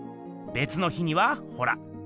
べつの日にはほら。